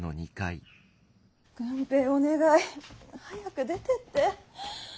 郡平お願い早く出てって。